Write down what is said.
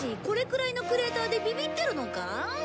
これくらいのクレーターでビビってるのか？